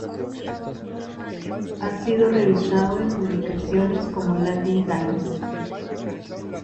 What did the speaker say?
Ha sido revisado en publicaciones como Latin Times.